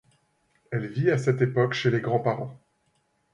Elle vit à cette époque chez les grands-parents.